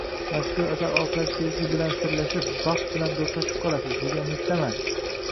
Mazkur asar orqali sevgi bilan sirlashib, baxt bilan do‘stlashib qolasiz, degan umiddamiz